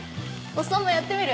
おっさんもやってみる？